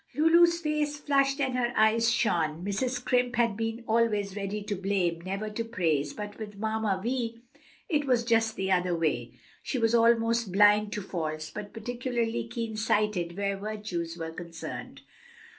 Lulu's face flushed and her eyes shone, Mrs. Scrimp had been always ready to blame, never to praise, but with Mamma Vi it was just the other way. She was almost blind to faults, but particularly keen sighted where virtues were concerned.